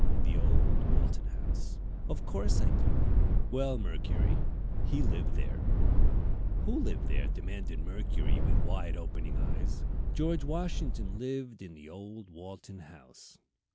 "The old Walton House." "Of course I do." "Well, Mercury, he lived there." "Who lived where?" demanded Mercury, with wide opening eyes. "George Washington lived in the old Walton House."